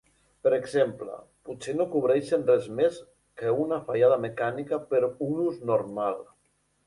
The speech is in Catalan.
Per exemple, potser no cobreixen res més que una fallada mecànica per un ús normal.